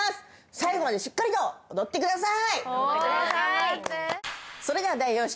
最後までしっかりと踊ってください。